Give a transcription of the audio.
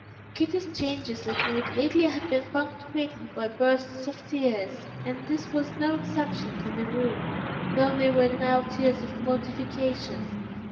Kitty's changes of mood lately had been punctuated by bursts of tears, and this was no exception to the rule, though they were now tears of mortification.